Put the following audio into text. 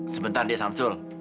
sebentar deh samsul